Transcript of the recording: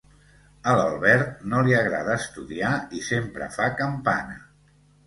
A l'Albert no li agrada estudiar i sempre fa campana: